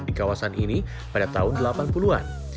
di kawasan ini pada tahun delapan puluh an